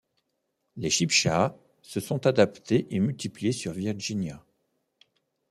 Les Shipshas se sont adaptés et multipliés sur Virginia.